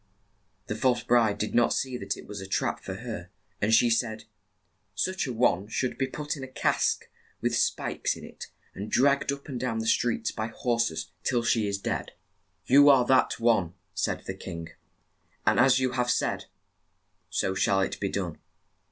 The false bride did not see that it was a trap for her, and she said, "Such a one should be put in a cask with spikes in it, and dragged up and down the streets by hor ses till she is dead." 50 RAPUNZEL "You are that one," said the king, "and as you have said, so shall it be done."